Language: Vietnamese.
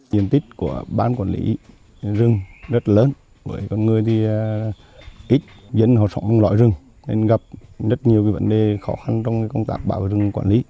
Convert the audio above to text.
nhiệm tích của ban quản lý rừng rất lớn với con người thì ít dẫn họ sống trong loại rừng nên gặp rất nhiều vấn đề khó khăn trong công tác bảo vệ rừng quản lý